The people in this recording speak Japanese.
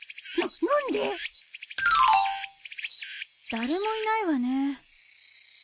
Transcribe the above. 誰もいないわね。